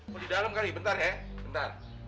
mau di dalam kali bentar ya bentar